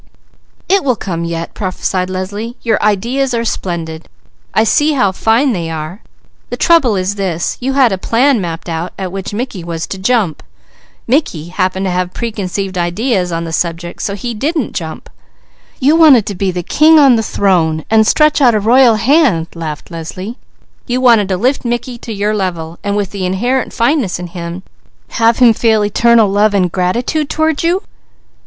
"It will come yet," prophesied Leslie. "Your ideas are splendid! I see how fine they are! The trouble is this: you had a plan mapped out at which Mickey was to jump. Mickey happened to have preconceived ideas on the subject, so he didn't jump. You wanted to be the king on the throne and stretch out a royal hand," laughed Leslie. "You wanted to lift Mickey to your level, and with the inherent fineness in him, have him feel eternal love and gratitude toward you?"